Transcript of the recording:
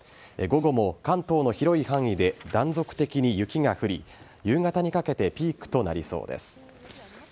午後も関東の広い範囲で断続的に雪が降り、夕方にかけてピークとなりそうです。